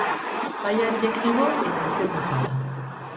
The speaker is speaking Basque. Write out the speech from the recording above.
Bai adjektibo eta izen bezala.